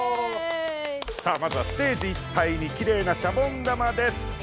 さあまずはステージいっぱいにきれいなシャボン玉です。